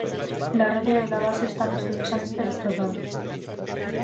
La radio de la base está misteriosamente destrozada.